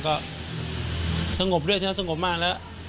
ก็สงบด้วยใช่ไหมสงบมากแล้ว